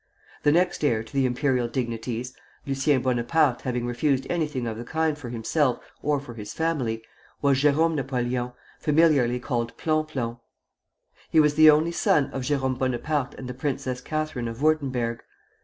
The next heir to the imperial dignities (Lucien Bonaparte having refused anything of the kind for himself or for his family) was Jérôme Napoleon, familiarly called Plon Plon. He was the only son of Jérôme Bonaparte and the Princess Catherine of Würtemberg.